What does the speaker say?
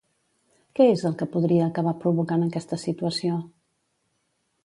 Què és el que podria acabar provocant aquesta situació?